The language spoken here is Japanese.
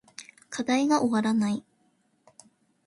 課題が終わらない